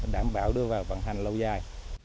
đảm bảo đưa vào vận hành lâu dài